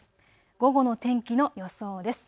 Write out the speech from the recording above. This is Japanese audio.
午後の天気の予想です。